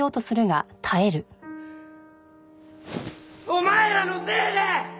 お前らのせいで！